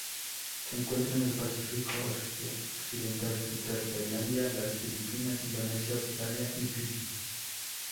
Se encuentra en el Pacífico occidental central: Tailandia, las Filipinas, Indonesia, Australia y Fiyi.